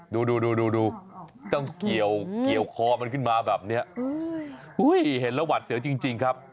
ดูต้องเกี่ยวคอมันขึ้นมาแบบเนี้ยอุ้ยเห็นหวัดเสือจริงครับ